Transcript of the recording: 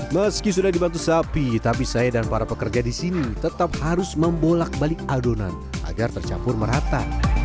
meski sudah dibantu sapi tapi saya dan para pekerja di sini tetap harus membolak balik adonan agar tercampur merata